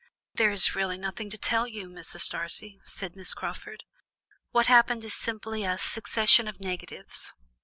"There is really nothing to tell you, Mrs. Darcy," said Miss Crawford. "What happened is simply a succession of negatives.